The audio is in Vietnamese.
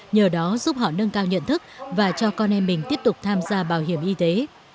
nhờ đó giúp họ nâng cao nhận thức và cho con em mình tiếp tục tham gia bảo hiểm y tế